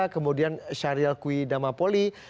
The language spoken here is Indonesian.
kemudian syariel kwi damapoli